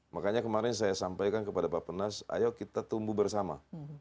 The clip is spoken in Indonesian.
makanya kemarin saya sampaikan kepada bapak penas ayo kita tumbuh bersama